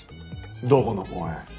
どこの公園？